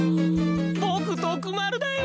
ぼくとくまるだよ！